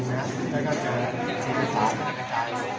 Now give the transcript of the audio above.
และเจอสีภาพมันกระจาย